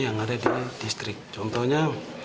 yang ada di distrik contohnya